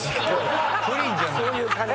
プリンじゃない。